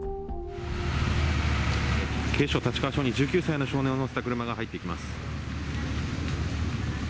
警視庁立川署に１９歳の少年を乗せた車が入ってきます。